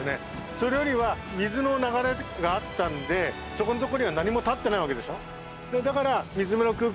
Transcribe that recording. それよりは水の流れがあったのでそこの所には何も建ってないわけでしょ。